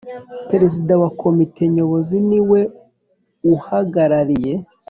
Perezida wa Komite Nyobozi ni we uhagarariye